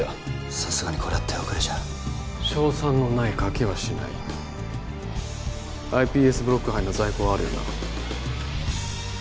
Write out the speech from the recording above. さすがにこれは手遅れじゃ勝算のない賭けはしないｉＰＳブロック肺の在庫はあるよな？